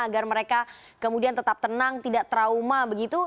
agar mereka kemudian tetap tenang tidak trauma begitu